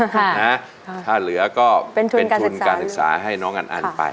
ถ้าเหลือก็เป็นทุนการศึกษาให้น้องอันอันไป